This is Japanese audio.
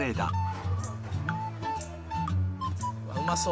「うまそう！」